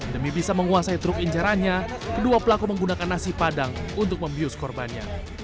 demi bisa menguasai truk injarannya kedua pelaku menggunakan nasi padang untuk membius korbannya